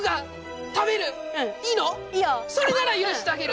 それなら許してあげる。